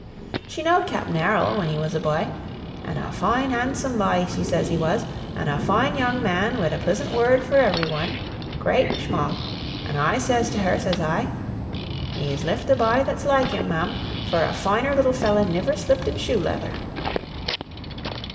She knowed Capt'in Errol whin he was a bye an' a foine handsum' bye she ses he was, an' a foine young man wid a plisint word fur every one, great an' shmall. An' ses I to her, ses I: 'He's lift a bye that's loike him, ma'am, fur a foiner little felly niver sthipped in shoe leather."'